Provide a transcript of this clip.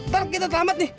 bang kita selamat nih